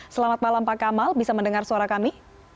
selamat malam pak kamal bisa mendengar suara kami